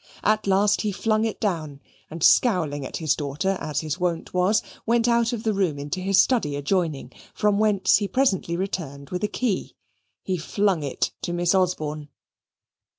At last he flung it down and, scowling at his daughter, as his wont was, went out of the room into his study adjoining, from whence he presently returned with a key. He flung it to Miss Osborne.